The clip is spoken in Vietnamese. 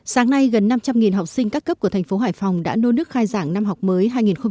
sáng nay gần năm trăm linh học sinh các cấp của tp hcm đã nôn nước khai giảng năm học mới hai nghìn hai mươi hai nghìn hai mươi một